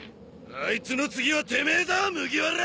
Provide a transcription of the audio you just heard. あいつの次はてめえだ麦わら！